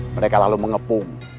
mereka lalu mengepung